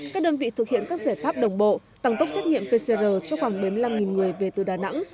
các đơn vị thực hiện các giải pháp đồng bộ tăng tốc xét nghiệm pcr cho khoảng bảy mươi năm người về từ đà nẵng